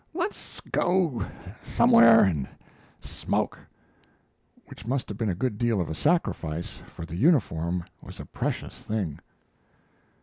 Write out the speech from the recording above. Let's go somewhere and smoke!" Which must have been a good deal of a sacrifice, for the uniform was a precious thing.